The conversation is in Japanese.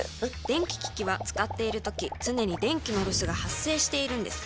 電気機器は使っているとき常に電気のロスが発生しているのです。